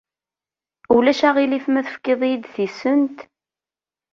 Ulac aɣilif ma tefkiḍ-iyi-d tisent?